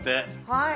はい。